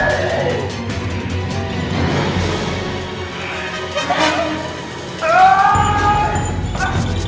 ไม่ว่าโน้ทนานอยู่ในไม่ดี